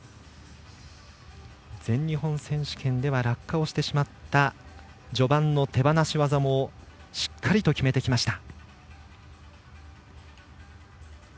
全日本選手権では落下をしてしまった序盤の手放し技もしっかりと決めてきました。